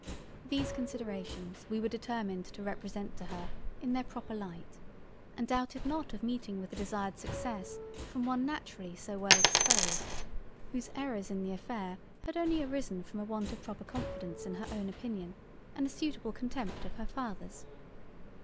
These considerations we were determined to represent to her in their proper light and doubted not of meeting with the desired success from one naturally so well disposed; whose errors in the affair had only arisen from a want of proper confidence in her own opinion, and a suitable contempt of her father's.